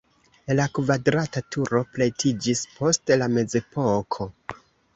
La kvadrata turo pretiĝis post la mezepoko.